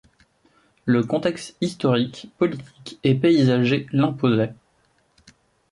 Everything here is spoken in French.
Le contexte historique, politique et paysager l'imposait.